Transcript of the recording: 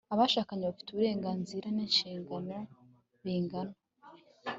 abashakanye bafite uburenganzira n'inshingano bingana